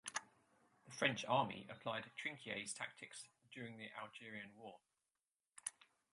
The French Army applied Trinquier's tactics during the Algerian War.